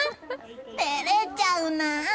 照れちゃうな。